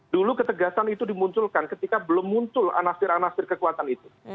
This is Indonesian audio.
dulu ketegasan itu dimunculkan ketika belum muncul anasir anasir kekuatan itu